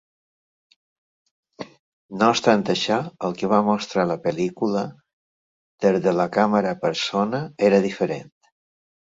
No obstant això, el que va mostrar la pel·lícula des de la càmera persona era diferent.